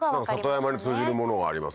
里山に通じるものがありますね。